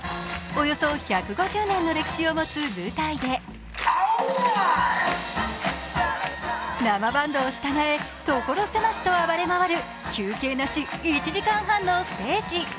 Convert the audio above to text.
およそ１５０年の歴史を持つ舞台で生バンドを従え、所狭しと暴れ回る、休憩なし１時間半のステージ。